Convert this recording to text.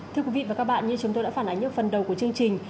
thưa quý vị và các bạn như chúng tôi đã phản ánh ở phần đầu của chương trình